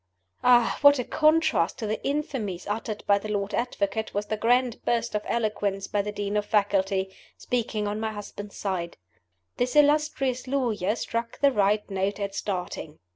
Ah, what a contrast to the infamies uttered by the Lord Advocate was the grand burst of eloquence by the Dean of Faculty, speaking on my husband's side! This illustrious lawyer struck the right note at starting.